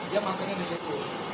dia makannya di situ